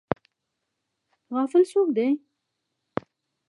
غافل څوک دی؟